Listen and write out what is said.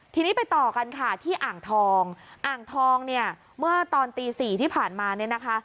ทีนี้ไปต่อกันค่ะที่อ่างทองอ่างทองเนี่ยเมื่อตอนตีสี่ที่ผ่านมาเนี่ยนะคะ